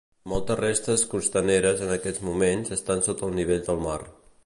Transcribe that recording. Moltes restes costaneres en aquests moments estan sota el nivell del mar.